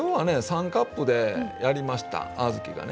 ３カップでやりました小豆がね。